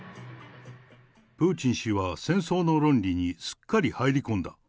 プーチン氏は戦争の論理にすっかり入り込んだ。